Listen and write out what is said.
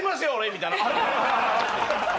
みたいな。